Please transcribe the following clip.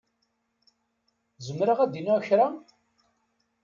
Zemreɣ ad d-iniɣ kra?